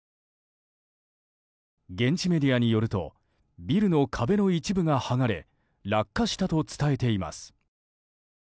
現地メディアによるとビルの壁の一部が剥がれ落下したと伝えています。